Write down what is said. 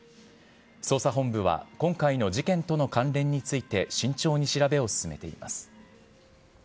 捜査本部は今回の事件との関連について慎重に調べを進めています。